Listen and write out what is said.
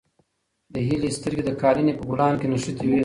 د هیلې سترګې د قالینې په ګلانو کې نښتې وې.